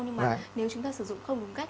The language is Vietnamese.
nhưng mà nếu chúng ta sử dụng không đúng cách